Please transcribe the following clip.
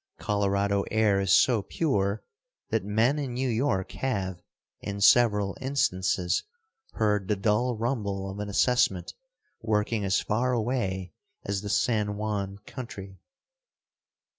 Colorado air is so pure that men in New York have, in several instances, heard the dull rumble of an assessment working as far away as the San Juan country.